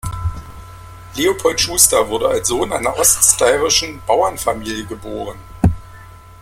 Leopold Schuster wurde als Sohn einer oststeirischen Bauernfamilie geboren.